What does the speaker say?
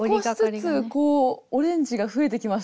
少しずつこうオレンジが増えてきましたね。